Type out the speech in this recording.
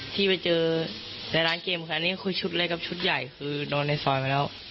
ที่ไปเจอในร้านเกมค่ะอันนี้คือชุดเล็กกับชุดใหญ่คือนอนในซอยมาแล้ว